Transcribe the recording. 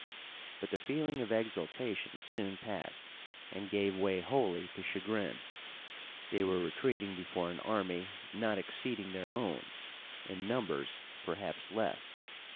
But the feeling of exultation soon passed and gave way wholly to chagrin. They were retreating before an army not exceeding their own, in numbers, perhaps less.